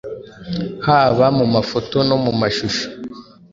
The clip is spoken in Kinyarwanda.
haba mu mafoto no mu mashusho